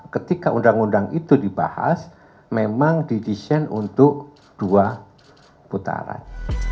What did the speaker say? ketika undang undang itu dibahas memang didesain untuk dua putaran